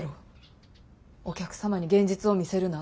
お客様に現実を見せるなって。